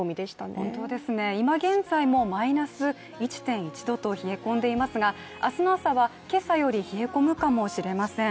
本当ですね、今現在もマイナス１．１度と冷え込んでいますが明日の朝は、今朝より冷え込むかもしれません。